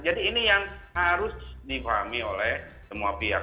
jadi ini yang harus dipahami oleh semua pihak